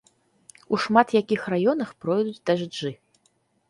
У шмат якіх раёнах пройдуць дажджы.